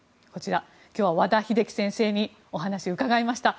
今日は和田秀樹先生にお話を伺いました。